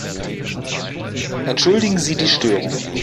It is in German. Entschuldigen Sie die Störung!